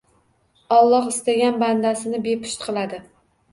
Alloh istagan bandasini bepusht qiladi.